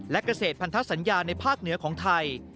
และเกษตรพันธสัญญาในภาคเหนือของไทย